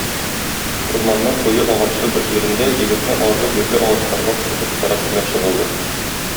Урманның куе агачлы бер җирендә егетне арлы-бирле агачларга сугып харап итмәкче булды.